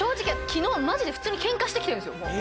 昨日マジで普通に喧嘩してきてるんですよ